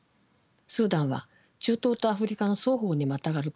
スーダンは中東とアフリカの双方にまたがる国です。